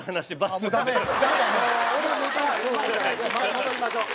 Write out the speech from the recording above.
戻りましょう。